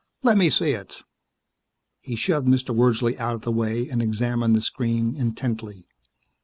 Let me see it." He shoved Mr. Wordsley out of the way and examined the screen intently.